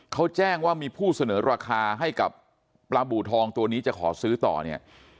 เขาแจ้งว่ามีผู้เสนอราคาให้กับปลาบูทองตัวนี้จะขอซื้อต่อเนี่ย